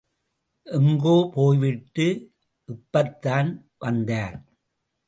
எங்கோ போய்விட்டு இப்பத்தான் வந்தார்.